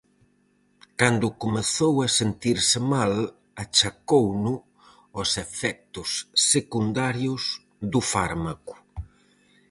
Cando comezou a sentirse mal achacouno aos efectos secundarios do fármaco.